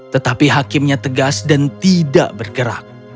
tetapi hakimnya tegas dan tidak bergerak